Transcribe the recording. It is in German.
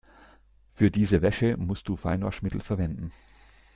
Für diese Wäsche musst du Feinwaschmittel verwenden.